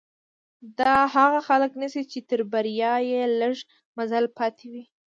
دا هغه خلک نيسي چې تر بريا يې لږ مزل پاتې وي.